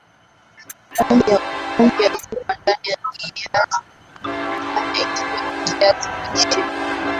rangi ya chungwa ndani ya kiazi ndio hufanya kiwe kiazi lishe